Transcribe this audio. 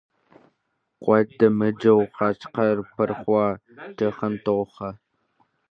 Куэд дэмыкӀыу хьэщӏэхэр пырхъуэ кӀыхьым тохьэ.